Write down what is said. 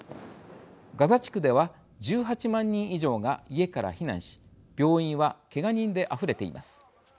ガザ地区では１８万人以上が家から避難し病院はけが人であふれています。